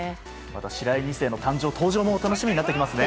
白井２世の登場、誕生も楽しみになってきますね。